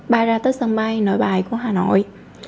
bay ra tới sân bay nội bài của hà nội